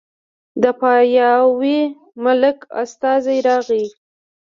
د پاياوي ملک استازی راغی